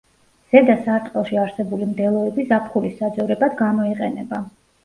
ზედა სარტყელში არსებული მდელოები ზაფხულის საძოვრებად გამოიყენება.